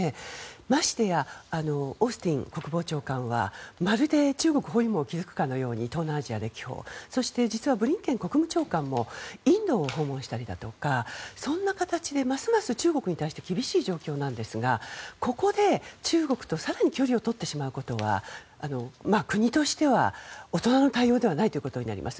ましてやオースティン国防長官はまるで中国包囲網を築くかのように訪問したりそして実はブリンケン国務長官もインドを訪問したりそんな形でますます中国に対して厳しい状況なんですがここで中国と更に距離をとってしまうことは国としては大人の対応ではないということになります。